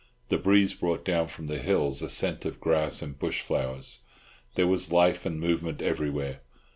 The breeze brought down from the hills a scent of grass and bush flowers. There was life and movement everywhere.